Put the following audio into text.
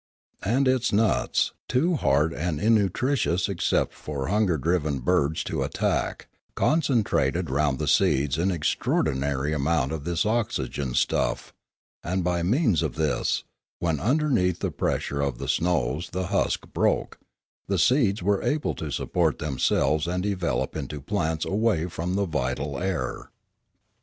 And its nuts, too hard and innutritious except for hunger driven birds to at tack, concentrated round the seeds an extraordinary amount of this oxygen stuff; and by means of this, when underneath the pressure of the snows the husk broke, the seeds were able to support themselves and develop into plants away from the vital air.